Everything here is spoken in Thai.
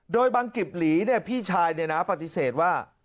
โดยบางกิบหลีเนี่ยพี่ชายเนี่ยนะปฏิเสธว่า